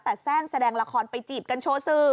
แต่แทร่งแสดงละครไปจีบกันโชว์สื่อ